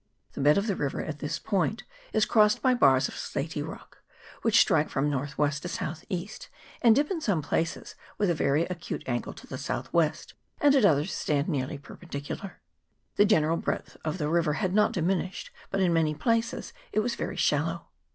The bed of the river at this point is crossed by bars of slaty rock, which strike from north west to south east, and dip in some places with a very CHAP. III.] THE ERITONGA. 83 acute angle to the south west, and at others stand nearly perpendicular. The general breadth of the river had not diminished, but in many places it was very shallow.